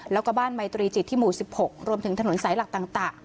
แล้วก็บ้านไมตรีจิตที่หมู่๑๖รวมถึงถนนสายหลักต่าง